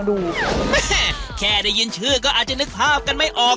แม่แค่ได้ยินชื่อก็อาจจะนึกภาพกันไม่ออก